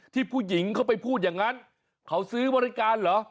ผู้หญิงเขาไปพูดอย่างนั้นเขาซื้อบริการเหรอ